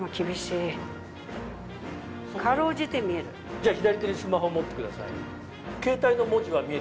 じゃあ左手にスマホ持ってください。